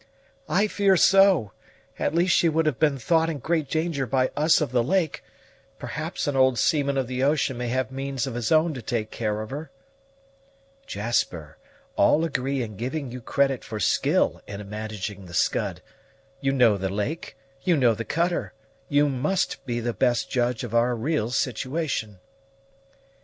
"I fear so; at least she would have been thought in great danger by us of the lake; perhaps an old seaman of the ocean may have means of his own to take care of her." "Jasper, all agree in giving you credit for skill in managing the Scud. You know the lake, you know the cutter; you must be the best judge of our real situation."